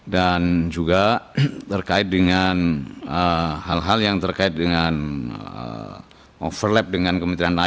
dan juga terkait dengan hal hal yang terkait dengan overlap dengan kementerian lain